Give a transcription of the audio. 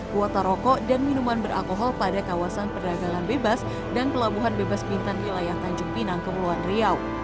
kuota rokok dan minuman beralkohol pada kawasan perdagangan bebas dan pelabuhan bebas bintan wilayah tanjung pinang kepulauan riau